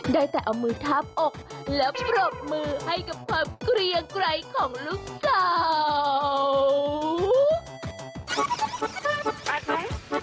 ได้แต่เอามือทับอกแล้วปรบมือให้กับความเกลียงไกลของลูกสาว